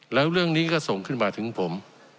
แล้วเรื่องนี้ก็ส่งขึ้นมาถึงผม